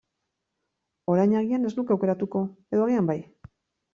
Orain agian ez nuke aukeratuko, edo agian bai.